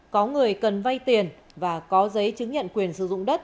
có người cần vay tiền và có giấy chứng nhận quyền sử dụng đất